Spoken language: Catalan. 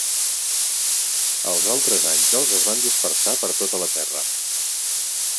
Els altres àngels es van dispersar per tota la Terra.